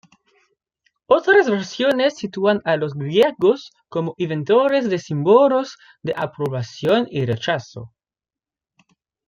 Otras versiones sitúan a los griegos como inventores de símbolos de aprobación y rechazo.